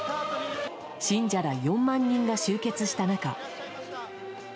信者ら４万人が集結した中。